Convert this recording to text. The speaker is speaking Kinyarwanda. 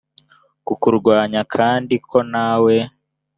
kukurwanya kandi ko nawe